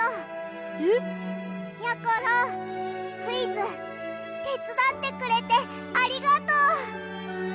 クイズてつだってくれてありがとう！